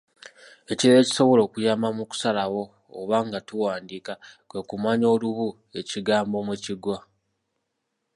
Ekirala ekisobola okuyamba mu kusalawo oba nga tuwandiika kwe kumanya olubu ekigambo mwe kigwa.